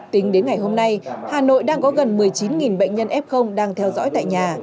tính đến ngày hôm nay hà nội đang có gần một mươi chín bệnh nhân f đang theo dõi tại nhà